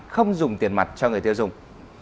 không dùng tiền mặt cho người tiêu dùng